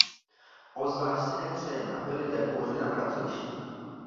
Obzvlášť si nepřejeme, aby lidé kouřili na pracovištích.